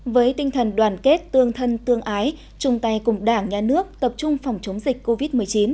với tinh thần đoàn kết tương thân tương ái chung tay cùng đảng nhà nước tập trung phòng chống dịch covid một mươi chín